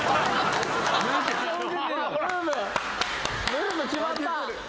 ムーブ決まった。